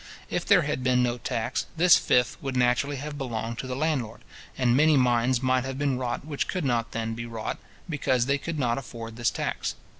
If there had been no tax, this fifth would naturally have belonged to the landlord, and many mines might have been wrought which could not then be wrought, because they could not afford this tax.